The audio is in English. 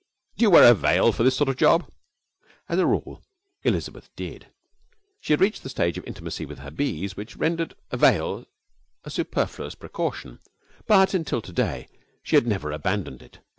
'Don't you wear a veil for this sort of job?' As a rule Elizabeth did. She had reached a stage of intimacy with her bees which rendered a veil a superfluous precaution, but until to day she had never abandoned it.